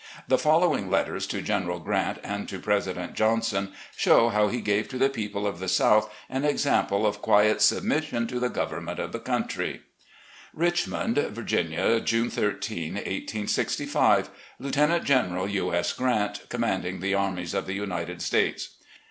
The follow ing letters to General Grant and to President Johnson show how he gave to the people of the South an example of quiet submission to the government of the country: "Richmond, Virginia, June 13, 1865. "Lieutenant General U. S. Grant, Commanding the "Armies of the United States.